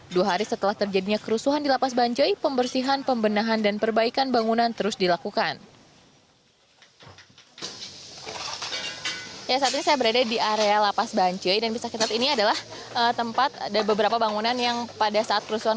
dua hari setelah terjadinya kerusuhan di lapas banjoi pembersihan pembenahan dan perbaikan bangunan terus dilakukan